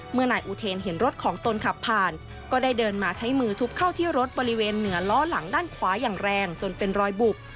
นายอุเทนเห็นรถของตนขับผ่านก็ได้เดินมาใช้มือทุบเข้าที่รถบริเวณเหนือล้อหลังด้านขวาอย่างแรงจนเป็นรอยบุบ